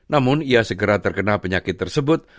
namun ia segera terkena penyakit tersebut